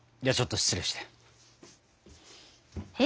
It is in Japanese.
ではちょっと失礼して。